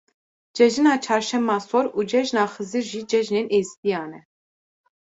Cejina Çarşema Sor û Cejna Xizir jî cejnên êzîdiyan e.